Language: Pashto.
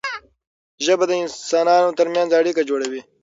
ژبه د انسانانو ترمنځ اړیکه جوړوي.